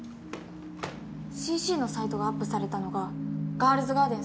『ＣＣ』のサイトがアップされたのが『ガールズガーデン』